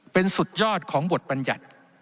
เป็นสุดยอดของบทบรรยัติ